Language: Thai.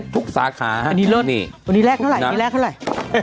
๗๑๑ทุกสาขาอันนี้เลิศอันนี้แลกเท่าไหร่